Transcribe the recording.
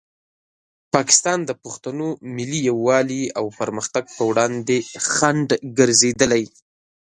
پاکستان د پښتنو ملي یووالي او پرمختګ په وړاندې خنډ ګرځېدلی.